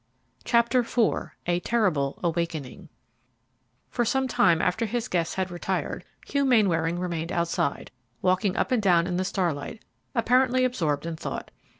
CHAPTER IV A TERRIBLE AWAKENING For some time after his guests had retired, Hugh Mainwaring remained outside, walking up and down in the starlight, apparently absorbed in thought.